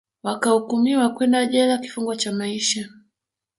wakahukumiwa kwenda jela kifungo cha maisha